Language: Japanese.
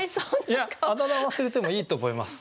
いやあだ名忘れてもいいと思います。